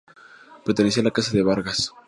Pertenecía a la Casa de Vargas.